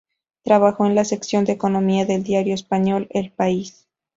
Trabajó en la sección de Economía del diario español "El País".